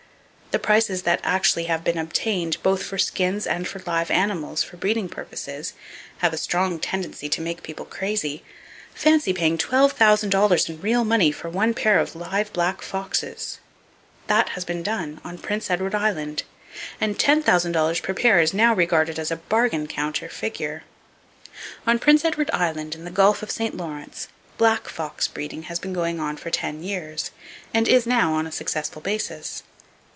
The prices that actually have been obtained, both for skins and for live animals for breeding purposes, have a strong tendency to make people crazy. Fancy paying $12,000 in real money for one pair of live black foxes! That has been done, on Prince Edward Island, and $10,000 per pair is now regarded as a bargain counter figure. On Prince Edward Island, in the Gulf of St. Lawrence, black fox breeding has been going on for ten years, and is now on a successful basis.